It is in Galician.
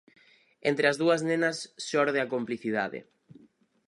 Entre as dúas nenas xorde a complicidade.